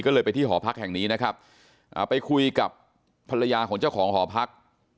ก็เลยไปที่หอพักแห่งนี้นะครับไปคุยกับภรรยาของเจ้าของหอพัก